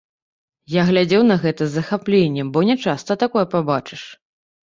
Я глядзеў на гэта з захапленнем, бо нячаста такое пабачыш.